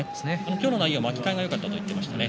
今日の内容、巻き替えがよかったと言ってました。